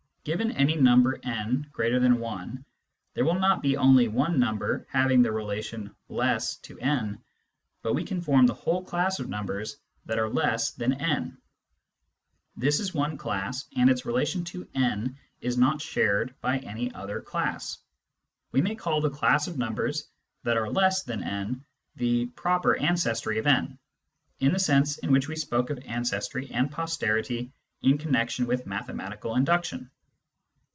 Given any number n greater than 1, there will not be only one number having the relation less to n, but we can form the whole class of numbers that are less than «. This is one class, and its relation to n is not shared by any other class. We may call the class of numbers that are less than n the " proper ancestry " of n, in the sense in which we spoke of ancestry and posterity in connection with mathematical induction.